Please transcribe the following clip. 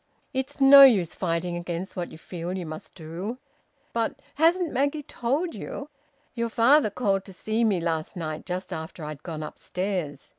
It's no use fighting against what you feel you must do." "But " "Hasn't Maggie told you? Your father called to see me last night just after I'd gone upstairs.